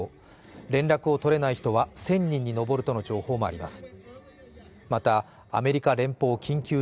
連絡を取れない人は１０００人に上るとの情報もあります。